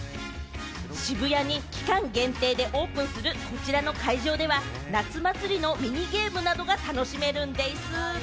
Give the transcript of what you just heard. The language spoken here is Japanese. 渋谷に期間限定でオープンするこちらの会場では、夏祭りのミニゲームなどが楽しめるんでぃす。